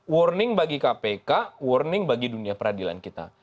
warning bagi kpk warning bagi dunia peradilan kita